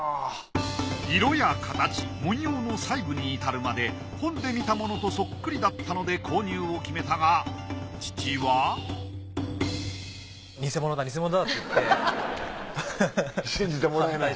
色や形文様の細部に至るまで本で見たものとソックリだったので購入を決めたが父は信じてもらえない？